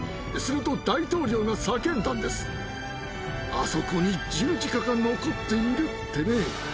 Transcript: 「あそこに十字架が残っている」ってね。